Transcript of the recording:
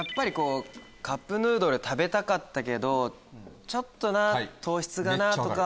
「カップヌードル食べたかったけどちょっと糖質がな」とか。